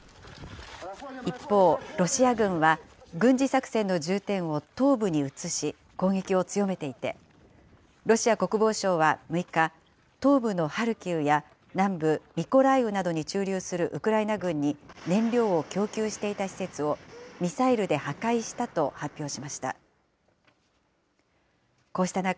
一方、ロシア軍は軍事作戦の重点を東部に移し、攻撃を強めていて、ロシア国防省は６日、東部のハルキウや南部ミコライウなどに駐留するウクライナ軍に、燃料を供給していた施設をミサイルで破壊したと発表しました。